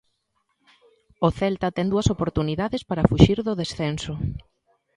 O Celta ten dúas oportunidades para fuxir do descenso.